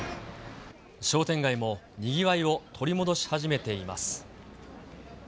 商店街もにぎわいを取り戻し始めています。